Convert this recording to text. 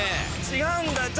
違うんだよ！